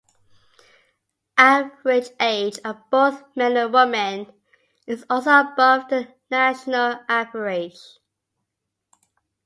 Average age of both men and women is also above the national average.